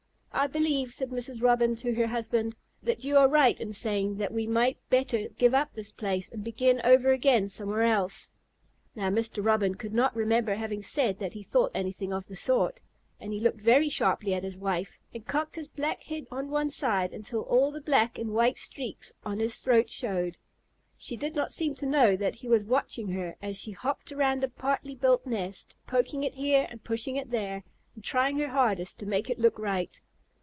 "I believe," said Mrs. Robin to her husband, "that you are right in saying that we might better give up this place and begin over again somewhere else." Now Mr. Robin could not remember having said that he thought anything of the sort, and he looked very sharply at his wife, and cocked his black head on one side until all the black and white streaks on his throat showed. She did not seem to know that he was watching her as she hopped around the partly built nest, poking it here and pushing it there, and trying her hardest to make it look right.